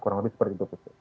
kurang lebih seperti itu